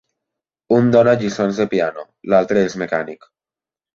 Un dóna lliçons de piano, l'altre és mecànic.